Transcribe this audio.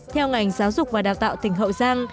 theo ngành giáo dục và đào tạo tỉnh hậu giang